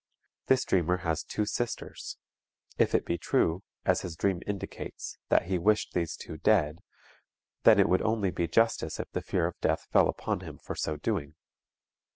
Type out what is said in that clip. This dreamer has two sisters; if it be true, as his dream indicates, that he wished these two dead, then it would only be justice if the fear of death fell upon him for so doing.